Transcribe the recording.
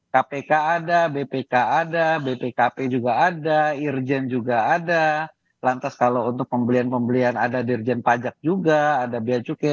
kpk ada bpk ada bpkp juga ada irjen juga ada lantas kalau untuk pembelian pembelian ada dirjen pajak juga ada biaya cukai